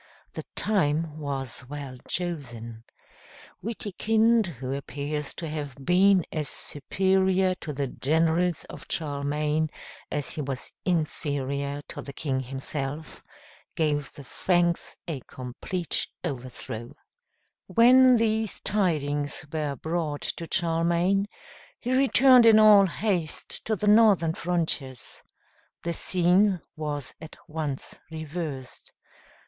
The time was well chosen. Witikind, who appears to have been as superior to the generals of Charlemagne as he was inferior to the king himself, gave the Franks a complete overthrow. [Illustration: Charlemagne at Witikind's baptism.] When these tidings were brought to Charlemagne, he returned in all haste to the northern frontiers. The scene was at once reversed.